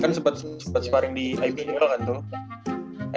kan sempet sparring di ibl kan tuh